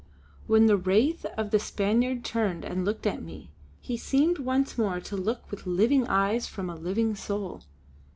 When the wraith of the Spaniard turned and looked at me, he seemed once more to look with living eyes from a living soul.